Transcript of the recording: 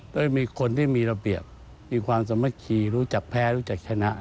แล้วมีคนที่มีระเบียบมีความสามัคคีรู้จักแพ้รู้จักชนะ